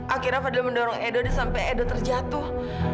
akhirnya fadil mendorong edo sampai edo terjatuh